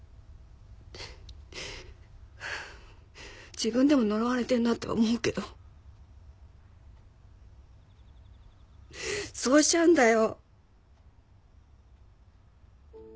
自分でも呪われてるなって思うけどそうしちゃうんだよ！